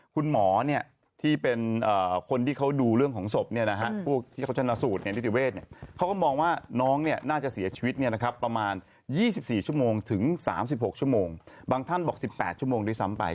คุณหมอเนี่ยที่เป็นคนที่เขาดูเรื่องของศพเนี่ยนะฮะพวกที่เขาชนะสูตรในนิติเวศเนี่ยเขาก็มองว่าน้องเนี่ยน่าจะเสียชีวิตเนี่ยนะครับประมาณ๒๔ชั่วโมงถึง๓๖ชั่วโมงบางท่านบอก๑๘ชั่วโมงด้วยซ้ำไป